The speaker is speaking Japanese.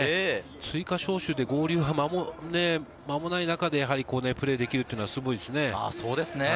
追加招集で合流間もない中でプレーできるのは素晴らしいですね。